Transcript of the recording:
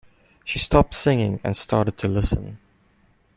She stopped singing and started to listen.